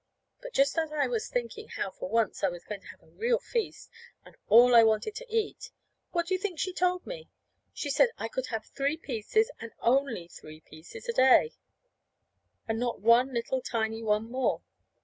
But just as I was thinking how for once I was going to have a real feast, and all I wanted to eat what do you think she told me? She said I could have three pieces, and only three pieces a day; and not one little tiny one more.